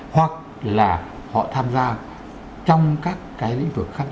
hoặc là họ tham gia trong các cái lĩnh vực khác